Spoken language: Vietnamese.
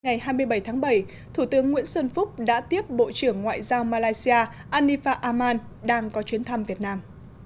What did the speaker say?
ngày hai mươi bảy tháng bảy thủ tướng nguyễn xuân phúc đã tiếp bộ trưởng ngoại giao malaysia anifa amman đang có chuyến thăm việt nam